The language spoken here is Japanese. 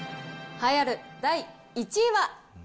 栄えある第１位は？